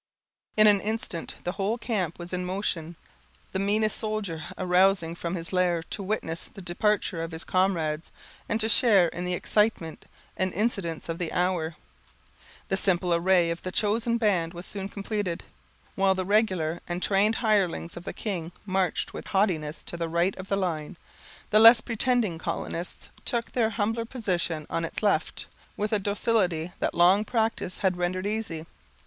In an instant the whole camp was in motion; the meanest soldier arousing from his lair to witness the departure of his comrades, and to share in the excitement and incidents of the hour. The simple array of the chosen band was soon completed. While the regular and trained hirelings of the king marched with haughtiness to the right of the line, the less pretending colonists took their humbler position on its left, with a docility that long practice had rendered easy.